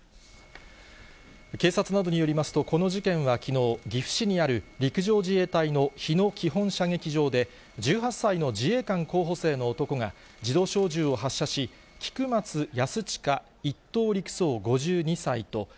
警察などによりますと、この事件はきのう、岐阜市にある陸上自衛隊の日野基本射撃場で、１８歳の自衛官候補生の男が自動小銃を発射し、菊松安